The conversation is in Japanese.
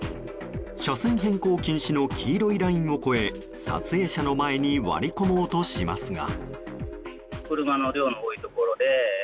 車線変更禁止の黄色いラインを越え撮影者の前に割り込もうとしますが。